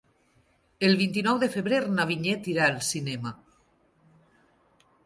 El vint-i-nou de febrer na Vinyet irà al cinema.